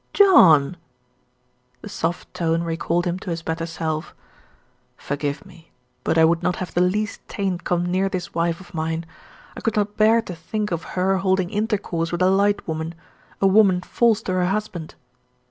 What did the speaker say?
"John!" The soft tone recalled him to his better self. "Forgive me! but I would not have the least taint come near this wife of mine. I could not bear to think of her holding intercourse with a light woman a woman false to her husband."